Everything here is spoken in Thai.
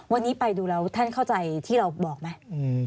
วันนี้ไปดูแล้วท่านเข้าใจที่เราบอกไหม